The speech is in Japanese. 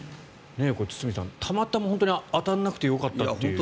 堤さん、たまたま当たらなくてよかったという。